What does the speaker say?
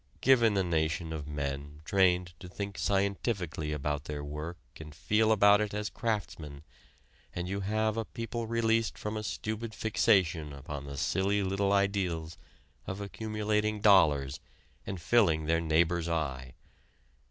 Given a nation of men trained to think scientifically about their work and feel about it as craftsmen, and you have a people released from a stupid fixation upon the silly little ideals of accumulating dollars and filling their neighbor's eye.